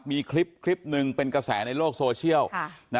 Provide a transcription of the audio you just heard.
มีคลิปหนึ่งเป็นกระแสในโลกโซเชียล